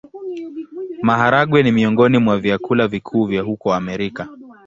Maharagwe ni miongoni mwa vyakula vikuu vya huko Amerika.